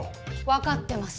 わかってます。